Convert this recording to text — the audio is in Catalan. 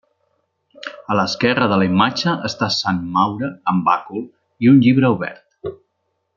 A l'esquerra de la imatge està sant Maure amb bàcul i un llibre obert.